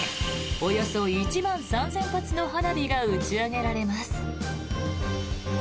およそ１万３０００発の花火が打ち上げられます。